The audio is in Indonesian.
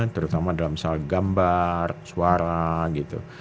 terutama dalam soal gambar suara gitu